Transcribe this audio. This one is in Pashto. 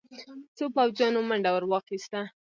څو پوځيانو منډه ور واخيسته.